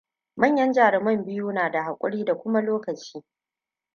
Manyan jaruman biyu na da haƙuri da kuma lokaci.